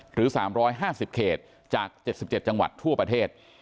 หรือ๓๕๐เขตจาก๗๗จังหวัดทั่วประเทศ